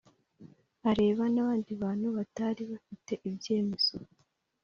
Areba n abandi bantu batari abafite ibyemezo